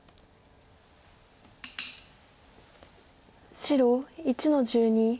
白１の十二。